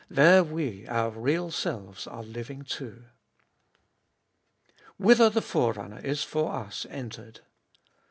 There we, our real selves, are living too. Whither the Forerunner is for us entered.